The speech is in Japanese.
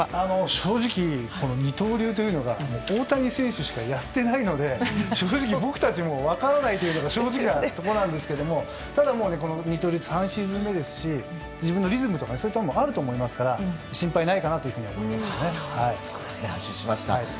正直、二刀流というのが大谷選手しかやっていないので僕たちも分からないというのが正直なところなんですけどただ、二刀流３シーズン目ですし自分のリズムなどもあると思いますのでまだ誰も知らない